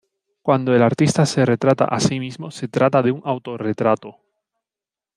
Cuando el artista se retrata a sí mismo se trata de un autorretrato.